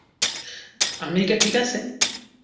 America ঠিক আছে?